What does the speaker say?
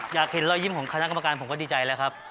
อยากเห็นรอยยิ้มของคณะกรรมการผมก็ดีใจแล้วครับ